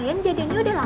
kayan jadi ini udah lama